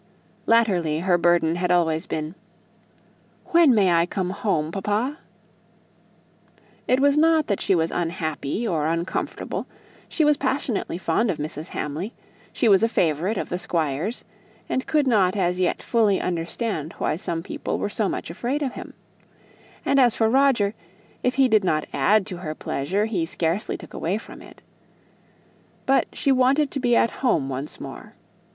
Latterly her burden had always been, "When may I come home, papa?" It was not that she was unhappy, or uncomfortable; she was passionately fond of Mrs. Hamley, she was a favourite of the Squire's, and could not as yet fully understand why some people were so much afraid of him; and as for Roger, if he did not add to her pleasure, he scarcely took away from it. But she wanted to be at home once more.